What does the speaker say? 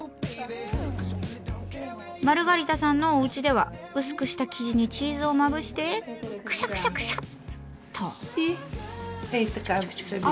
マルガリタさんのおうちでは薄くした生地にチーズをまぶしてクシャクシャクシャッと。